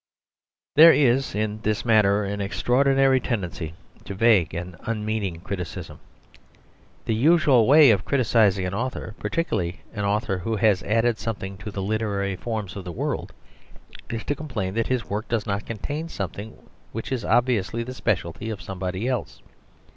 There is in this matter an extraordinary tendency to vague and unmeaning criticism. The usual way of criticising an author, particularly an author who has added something to the literary forms of the world, is to complain that his work does not contain something which is obviously the speciality of somebody else.